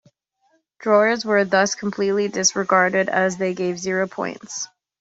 Draws were thus completely disregarded, as they gave zero points.